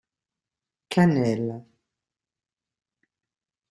cannelle